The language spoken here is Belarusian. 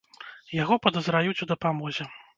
Яго падазраюць у дапамозе.